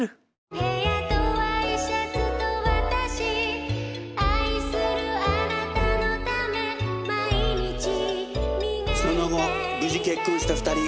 「部屋とＹシャツと私愛するあなたのため」「毎日磨いて」その後無事結婚した２人。